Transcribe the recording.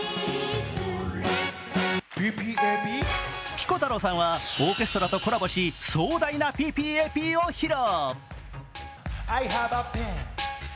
ピコ太郎さんはオーケストラとコラボし、壮大な「ＰＰＡＰ」を披露。